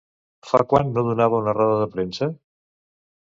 Fa quan no donava una roda de premsa?